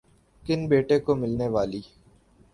کن بیٹے کو ملنے والی